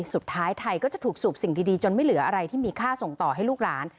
สุดท้ายไทยก็จะถูกสูบสิ่งดีจนไม่เหลืออะไรที่มีค่าส่งต่อให้ลูกหลาน